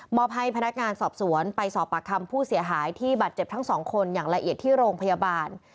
อบให้พนักงานสอบสวนไปสอบปากคำผู้เสียหายที่บาดเจ็บทั้งสองคนอย่างละเอียดที่โรงพยาบาล